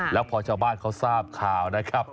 แล้วพอชาวบ้านเขาทราบข่าวนะครับ